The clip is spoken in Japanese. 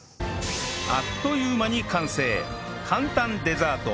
あっという間に完成！